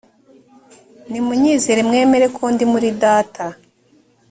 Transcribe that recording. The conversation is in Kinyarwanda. nimunyizere mwemere ko ndi muri data